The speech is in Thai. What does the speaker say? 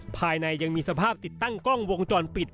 ภายในยังมีสภาพติดตั้งกล้องวงจรปิด